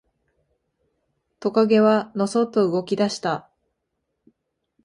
トカゲはのそっと動き出した。